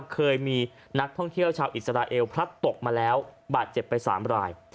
เคยมีนักท่องเที่ยวชาวอิสราเอลพลัดตกมาแล้วบาดเจ็บไป๓ราย